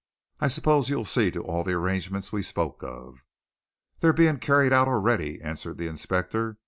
"I suppose you'll see to all the arrangements we spoke of?" "They're being carried out already," answered the inspector.